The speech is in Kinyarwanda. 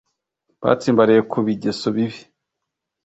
batsimbaraye ku bigeso bibi